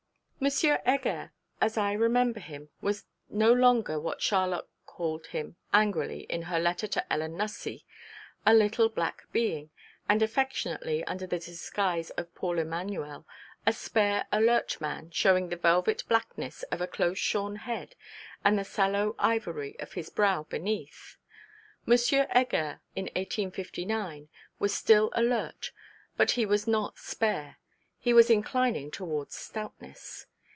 M. Heger, as I remember him, was no longer what Charlotte called him, angrily, in her letter to Ellen Nussey, a little Black Being, and, affectionately, under the disguise of Paul Emanuel, 'a spare, alert man, showing the velvet blackness of a close shorn head, and the sallow ivory of his brow beneath.' M. Heger in 1859 was still alert, but he was not spare, he was inclining towards stoutness.